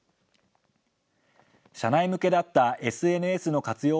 社内向けだったＳＮＳの活用